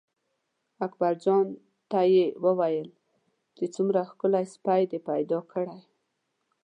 اکبرجان ته یې وویل چې څومره ښکلی سپی دې پیدا کړی.